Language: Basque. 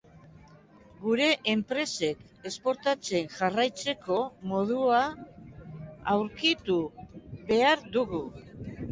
Gure enpresek esportatzen jarraitzeko modua aurkitu behar dugu.